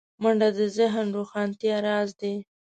منډه د ذهن روښانتیا راز دی